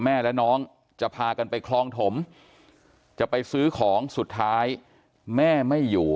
แม่และน้องจะพากันไปคลองถมจะไปซื้อของสุดท้ายแม่ไม่อยู่